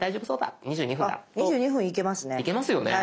あっ２２分いけますね。